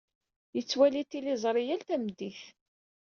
Yettwali tiliẓri yal tameddit.